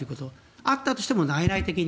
あったとしても内々的に。